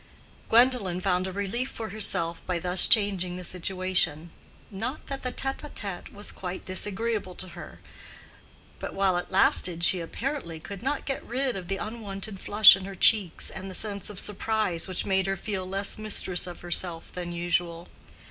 Gwendolen found a relief for herself by thus changing the situation: not that the tête à tête was quite disagreeable to her; but while it lasted she apparently could not get rid of the unwonted flush in her cheeks and the sense of surprise which made her feel less mistress of herself than usual.